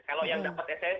kalau yang dapat sms